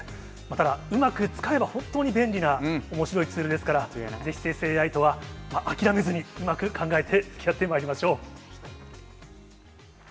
ただうまく使えば、本当に便利なおもしろいツールですから、ぜひ生成ＡＩとは諦めずにうまく考えてつきあってまいりましょう。